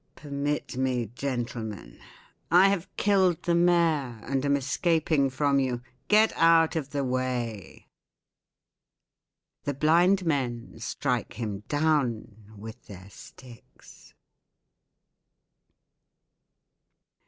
Permit me, gentlemen, I have killed the mayor And am escaping from you. Get out of the way! (The blind men strike him down with their sticks.)